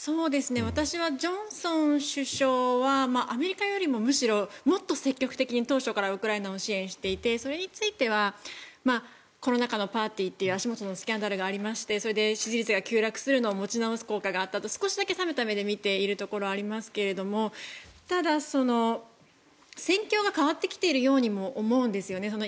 私はジョンソン首相はアメリカよりもむしろもっと積極的に当初からウクライナを支援していてそれについてはコロナ禍のパーティーという足元のスキャンダルがあってそれで支持率が急落するのを持ち直す効果があったと少しだけ冷めた目で見ているところはありますけれどただ、戦況が変わってきているようにも思うんですよね。